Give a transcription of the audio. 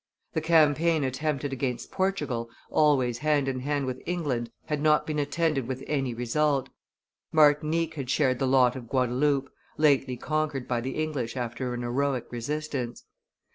The campaign attempted against Portugal, always hand in hand with England, had not been attended with any result. Martinique had shared the lot of Guadaloupe, lately conquered by the English after an heroic resistance.